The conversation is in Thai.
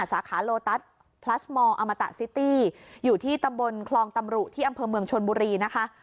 สาขาโลตัสพลัสมอร์อมตะซิตี้อยู่ที่ตำบลคลองตำรุที่อำเภอเมืองชนบุรีนะคะ